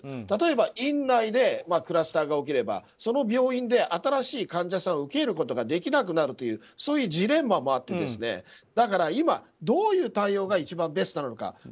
例えば院内でクラスターが起きればその病院で新しい患者さんを受け入れることができなくなるというそういうジレンマもあってだから今どういう対応が一番ベストなのか。